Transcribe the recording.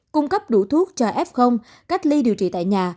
cung cấp đủ thuốc cho f cách ly điều trị tại nhà